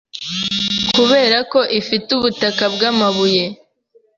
kubera ko ifite ubutaka bw’amabuye.